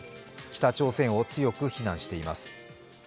北朝鮮を強く非難しています。